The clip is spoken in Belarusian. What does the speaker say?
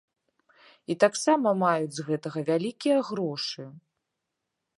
І таксама маюць з гэтага вялікія грошы.